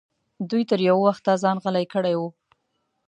دوی تر یو وخته ځان غلی کړی و.